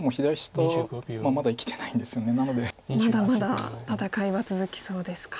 まだまだ戦いは続きそうですか。